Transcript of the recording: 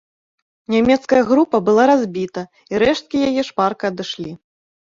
Нямецкая група была разбіта, і рэшткі яе шпарка адышлі.